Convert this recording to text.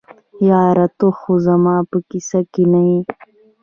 یاره ته هم زما په کیسه کي نه یې.